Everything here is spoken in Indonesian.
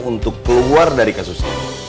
untuk keluar dari kasus ini